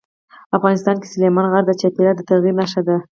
افغانستان کې سلیمان غر د چاپېریال د تغیر نښه ده.